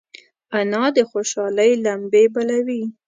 انا د خوشحالۍ لمبې بلوي